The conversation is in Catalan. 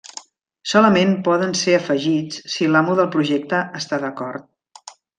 Solament poden ser afegits si l'amo del projecte està d'acord.